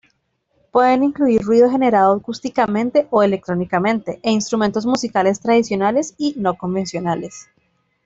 Pueden incluir ruido generado acústicamente o electrónicamente, e instrumentos musicales tradicionales y no convencionales.